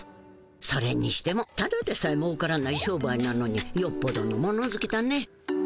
それにしてもただでさえもうからない商売なのによっぽどの物ずきだね。